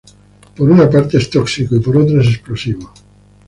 Por una parte es tóxico, y por otras es explosivo.